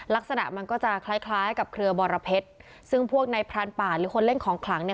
ลักษณะมันก็จะคล้ายคล้ายกับเครือบรเพชรซึ่งพวกในพรานป่าหรือคนเล่นของขลังเนี่ย